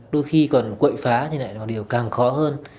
đôi khi còn quậy phá thì lại là điều càng khó hơn